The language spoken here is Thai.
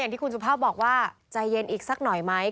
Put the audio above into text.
ที่คุณสุภาพบอกว่าใจเย็นอีกสักหน่อยไหม